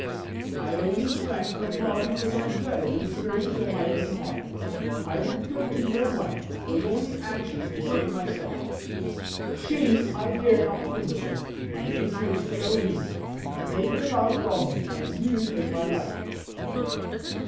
I only shrank from love because I dreaded the reproaches of my own heart; I did good to no one, was only anxious to save myself. She I dare not think of it! My nature is so weak. Take your love from me and you take my life.'